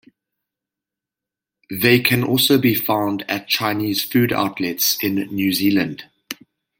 They can also be found at Chinese food outlets in New Zealand.